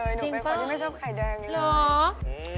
หนูเป็นคนที่ไม่ชอบไข่แดงเลย